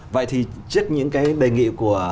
vậy thì trước những cái đề nghị của